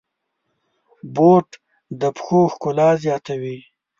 بوټ د پښو ښکلا زیاتوي.